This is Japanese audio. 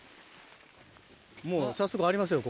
もう早速ありますよ